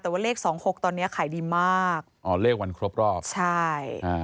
แต่ว่าเลขสองหกตอนเนี้ยขายดีมากอ๋อเลขวันครบรอบใช่อ่า